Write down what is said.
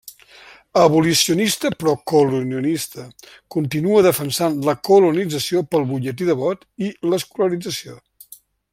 Abolicionista però colonialista, continua defensant la colonització pel butlletí de vot i l'escolarització.